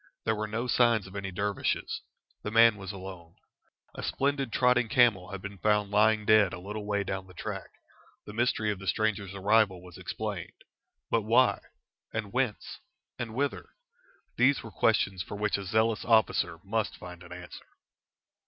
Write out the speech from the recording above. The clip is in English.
There were no signs of any dervishes. The man was alone. A splendid trotting camel had been found lying dead a little way down the track. The mystery of the stranger's arrival was explained. But why, and whence, and whither? these were questions for which a zealous officer must find an answer.